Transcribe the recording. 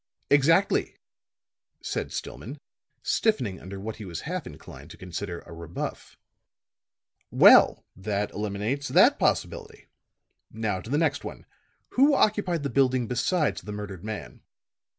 "Exactly," said Stillman, stiffening under what he was half inclined to consider a rebuff. "Well, that eliminates that possibility. Now to the next one. Who occupied the building besides the murdered man?"